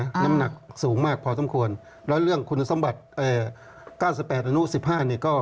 น้ำหนักสูงมากพอสมควรแล้วเรื่องคุณสมบัติ๙๘อนุ๑๕เนี่ย